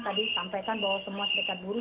tadi sampaikan bahwa semua serikat buruh